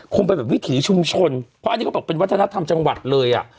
คงเป็นแบบวิถีชุมชนเพราะอันนี้เขาบอกเป็นวัฒนธรรมจังหวัดเลยอ่ะ